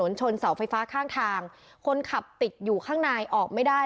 ชนเสาไฟฟ้าข้างทางคนขับติดอยู่ข้างในออกไม่ได้